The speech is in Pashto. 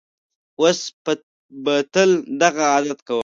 اوس به تل دغه عادت کوم.